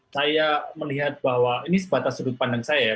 saya melihat bahwa ini sebatas sudut pandang saya ya